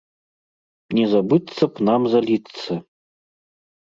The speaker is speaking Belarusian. Не забыцца б нам заліцца!